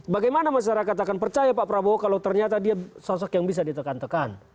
bagaimana masyarakat akan percaya pak prabowo kalau ternyata dia sosok yang bisa ditekan tekan